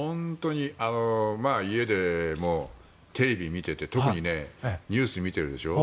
家でもテレビを見ていて特にニュースを見てるでしょ。